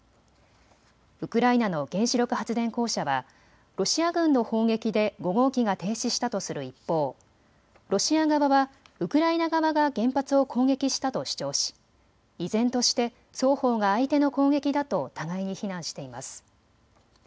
ウクライナの原子力発電公社はロシア軍の砲撃で５号機が停止したとする一方、ロシア側はウクライナ側が原発を攻撃したと主張し依然として双方が相手の攻撃だと互いに非難しています。